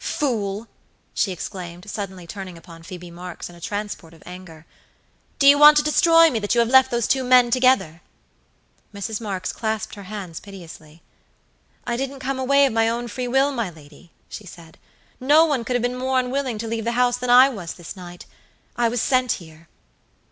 Fool!" she exclaimed, suddenly turning upon Phoebe Marks in a transport of anger, "do you want to destroy me that you have left those two men together?" Mrs. Marks clasped her hands piteously. "I didn't come away of my own free will, my lady," she said; "no one could have been more unwilling to leave the house than I was this night. I was sent here."